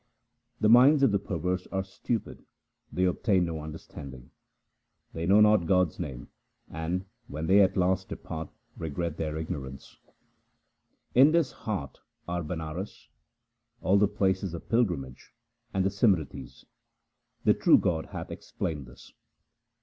The minds of the perverse are stupid ; they obtain no understanding : They know not God's name, and, when they at last depart, regret their ignorance* In this heart are Banaras, all the places of pilgrimage, and the Simritis ; the true Guru hath explained this.